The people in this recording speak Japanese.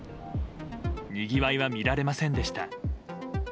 にぎわいは見られませんでした。